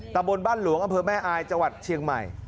ตะบนบ้านหลวงอแม่อายจเชียงใหม่